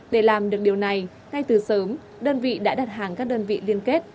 để làm được điều này ngay từ sớm đơn vị đã đặt hàng các đơn vị liên kết